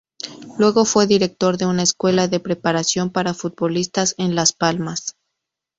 Luego fue director de una escuela de preparación para futbolistas en Las Palmas.